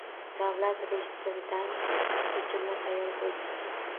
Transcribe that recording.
Davlat reyestiridan ko‘chirma tayyor bo‘ladi